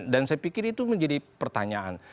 dan saya pikir itu menjadi pertanyaan